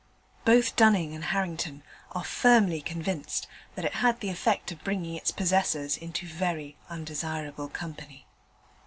Both Dunning and Harrington are firmly convinced that it had the effect of bringing its possessors into very undesirable company.